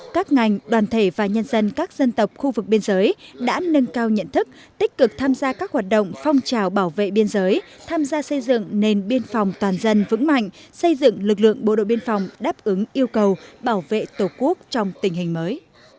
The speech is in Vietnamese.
các ngành đoàn thể và nhân dân các dân tộc khu vực biên giới đã nâng cao nhận thức tích cực tham gia các hoạt động phong trào bảo vệ biên giới tham gia xây dựng nền biên phòng toàn dân vững mạnh xây dựng lực lượng bộ đội biên phòng đáp ứng yêu cầu bảo vệ tổ quốc trong tình hình mới